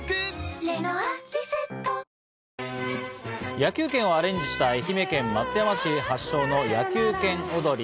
野球拳をアレンジした愛媛県松山市発祥の野球拳おどり。